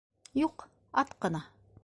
Юҡ, ат ҡына...